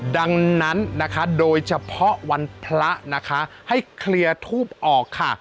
ดังนั้นนะคะโดยเฉพาะวันพระนะคะให้เคลียร์ทูปออกค่ะ